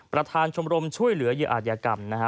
ประธานชมรมช่วยเหลืออาธิกรรมนะฮะ